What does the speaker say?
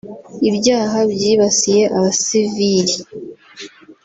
ibyaha byibasiye abasivili